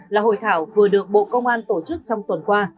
là hội thảo vừa được bộ công an tổ chức trong tuần qua